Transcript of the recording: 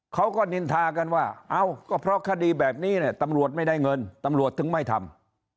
เขาก็นินทากันว่าเอ้าก็เพราะคดีแบบนี้เนี่ยตำรวจไม่ได้เงินตำรวจถึงไม่ทำ